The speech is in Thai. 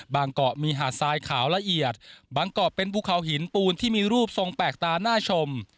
เกาะมีหาดทรายขาวละเอียดบางเกาะเป็นภูเขาหินปูนที่มีรูปทรงแปลกตาน่าชม